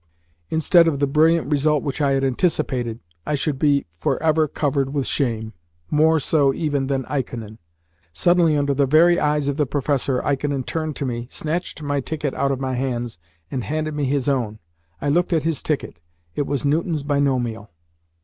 Instead of the brilliant result which I had anticipated I should be for ever covered with shame more so even than Ikonin! Suddenly, under the very eyes of the professor, Ikonin turned to me, snatched my ticket out of my hands, and handed me his own. I looked at his ticket. It was Newton's Binomial!